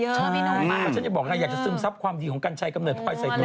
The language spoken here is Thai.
แต่ฉันจะบอกนะอยากจะซึมซับความดีของกันชัยกำเนิดพ่อยไซโทมี